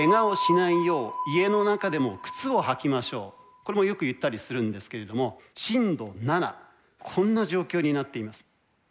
これもよく言ったりするんですけれども震度７こんな状況になっています。